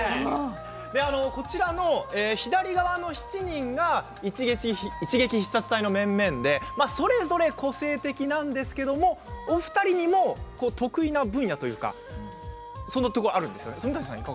こちらの左側の７人が一撃必殺隊の面々でそれぞれ個性的なんですけれどもお二人にも得意な分野というかあるんですよね。